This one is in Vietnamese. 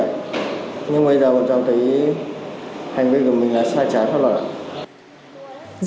bọn cháu thấy hành vi của mình là sai trái thất lợi